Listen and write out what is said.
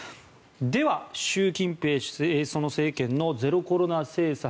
では、習近平政権のゼロコロナ政策